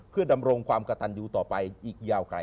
ขอบคุณนะคะ